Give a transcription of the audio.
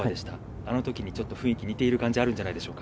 あのときにちょっと雰囲気が似ている感じが、あるんじゃないでしょうか。